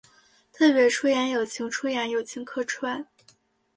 特别出演友情出演友情客串